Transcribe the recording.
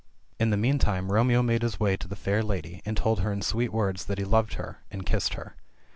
In the meantime Romeo made his way to the fair lady, and told her in sweet words that he loved her, and kissed her.